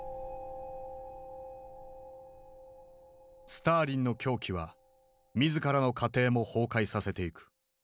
スターリンの狂気は自らの家庭も崩壊させていく。